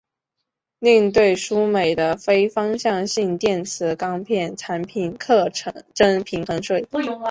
另对输美的非方向性电磁钢片产品课征平衡税。